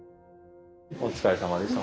お疲れさまでした。